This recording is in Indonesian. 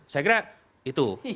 saya kira itu